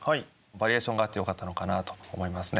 バリエーションがあってよかったのかなと思いますね。